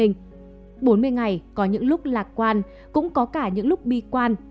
bốn mươi ngày có những lúc lạc quan cũng có cả những lúc bi quan